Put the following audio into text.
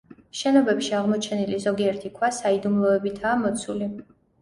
შენობებში აღმოჩენილი ზოგიერთი ქვა საიდუმლოებითაა მოცული.